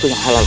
tunggal lah lu